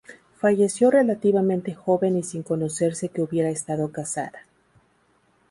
Falleció relativamente joven y sin conocerse que hubiera estado casada.